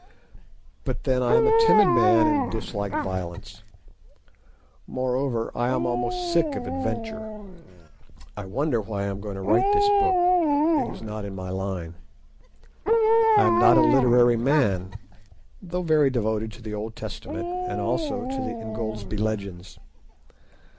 But then I am a timid man, and dislike violence; moreover, I am almost sick of adventure. I wonder why I am going to write this book: it is not in my line. I am not a literary man, though very devoted to the Old Testament and also to the "Ingoldsby Legends."